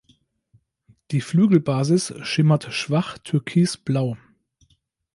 Die Flügelbasis schimmert schwach türkisblau.